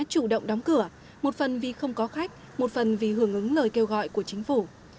chủ động đóng cửa một phần vì không có khách một phần vì hưởng ứng lời kêu gọi của chính phủ